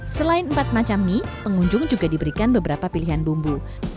selain empat macam mie pengunjung juga diberikan beberapa pilihan bumbu